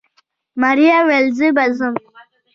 ماريا وويل زه به ځم.